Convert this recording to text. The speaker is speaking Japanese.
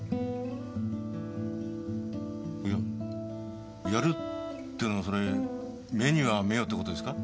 ややるってのはそれ目には目をって事ですか？